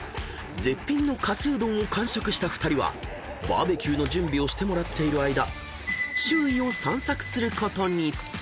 ［絶品のかすうどんを完食した２人はバーベキューの準備をしてもらっている間周囲を散策することに］